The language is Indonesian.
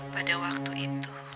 pada waktu itu alma berusia tiga tahun